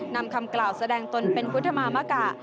นำคำกล่าวแสดงตนเป็นพุทธมามกะ